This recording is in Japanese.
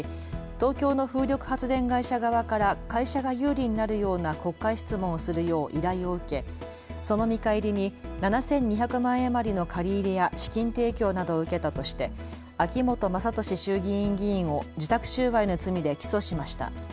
東京の風力発電会社側から会社が有利になるような国会質問をするよう依頼を受けその見返りに７２００万円余りの借り入れや資金提供などを受けたとして秋本真利衆議院議員を受託収賄の罪で起訴しました。